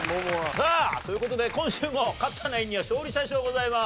さあという事で今週も勝ったナインには勝利者賞ございます。